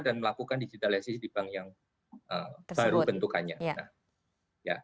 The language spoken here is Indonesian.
dan melakukan digitalisasi di bank yang baru bentukannya